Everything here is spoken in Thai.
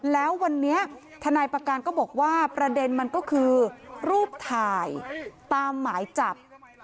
แล้ววันนี้ทนายประการก็บอกว่าประเด็นมันก็คือรูปถ่ายตามหมายจับ